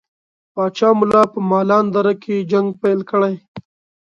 پاچا ملا په مالان دره کې جنګ پیل کړي.